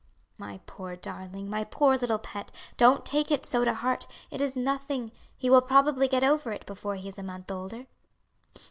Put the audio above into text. "My poor darling, my poor little pet, don't take it so to heart. It is nothing; he will probably get over it before he is a month older."